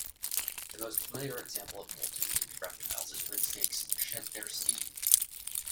The most familiar example of moulting in reptiles is when snakes "shed their skin".